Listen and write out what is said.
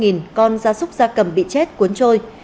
gia súc gia cầm bị chết cuốn trôi